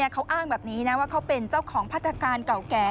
เขาอ้างแบบนี้นะว่าเขาเป็นเจ้าของพัฒนาการเก่าแก่